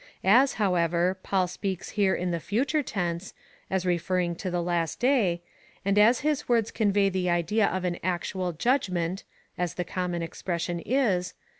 As, however, Paul speaks here in the future tense, as referring to the last day, and as his w^ords convey the idea of an actual judgment, (as the common expression is